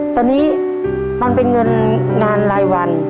ตอนนี้มันเป็นเงินงานรายวัน